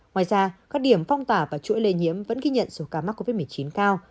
ngoài ra các điểm phong tỏa và chuỗi lây nhiễm vẫn ghi nhận số ca mắc covid một mươi chín cao